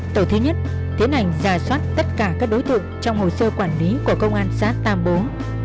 tổ thứ nhất tiến hành giả soát tất cả các đối tượng trong hồ sơ quản lý của công an xã tam bố